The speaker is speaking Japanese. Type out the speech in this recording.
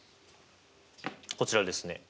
こちらですね。